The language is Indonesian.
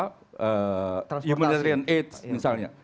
humanitarian aid misalnya